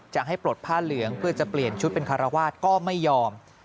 จะให้ปลดผ้าเหลืองเพื่อจะเปลี่ยนชุดเป็นคารวาสก็ไม่ยอม